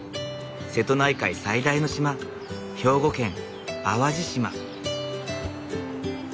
瀬戸内海最大の島兵庫県淡路島。